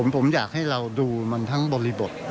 ผมอยากให้เราดูมันทั้งบริบท